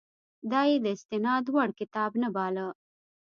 دا یې د استناد وړ کتاب نه باله.